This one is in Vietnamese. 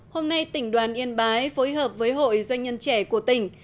hôm nay tỉnh đoàn yên bái phối hợp với hội doanh nhân trẻ của tỉnh